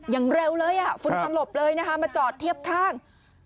อย่างเร็วเลยอ่ะฝุ่นสลบเลยนะคะมาจอดเทียบข้าง